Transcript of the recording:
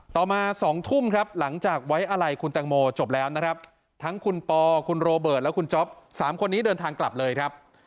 ต่อมา๒ทุ่มครับหลังจากไว้า